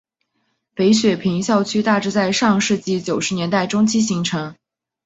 北雪平校区大致在上世纪九十年代中期形成。